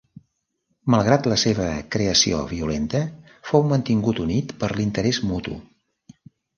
Malgrat la seva creació violenta, fou mantingut unit per l'interès mutu.